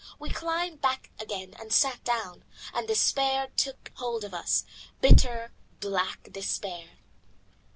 We climbed back again and sat down, and despair took hold of us, bitter, black despair.